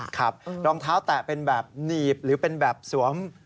ครับรองเท้าแตะเป็นแบบหนีบหรือเป็นแบบสวม